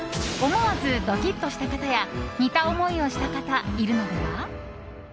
思わずドキッとした方や似た思いをした方いるのでは？